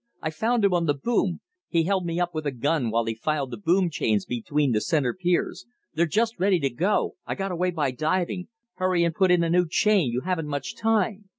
"I found him on the boom! He held me up with a gun while he filed the boom chains between the center piers. They're just ready to go. I got away by diving. Hurry and put in a new chain; you haven't much time!"